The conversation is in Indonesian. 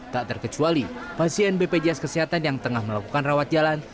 tak terkecuali pasien bpjs kesehatan yang tengah melakukan rawat jalan